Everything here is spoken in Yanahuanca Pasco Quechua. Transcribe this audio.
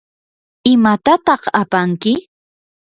¿imatataq apanki?